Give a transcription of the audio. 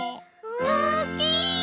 おっきい！